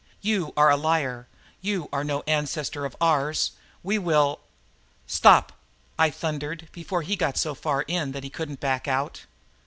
"You are a liar! You are no ancestor of ours! We will " "Stop!" I thundered before he got so far in that he couldn't back out.